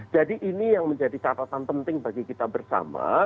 jadi ini yang menjadi catatan penting bagi kita bersama